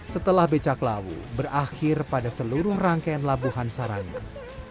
setelah becak lawu berakhir pada seluruh rangkaian labuhan sarangan